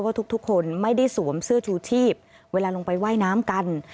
ทุกคนไม่ได้สวมเสื้อชูชีพเวลาลงไปว่ายน้ำกัน